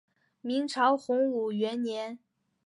明朝洪武元年。